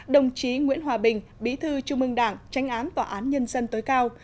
đồng chí nguyễn hòa bình bí thư trung ương đảng tranh án tòa án nhân dân tối cao